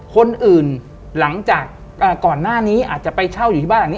คนอื่นหลังจากก่อนหน้านี้อาจจะไปเช่าอยู่ที่บ้านหลังนี้